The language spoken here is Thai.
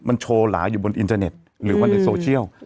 มันโชว์หลาอยู่บนอินเทอร์เน็ตหรือว่าในโซเชียล